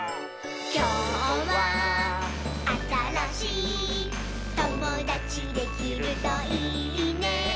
「きょうはあたらしいともだちできるといいね」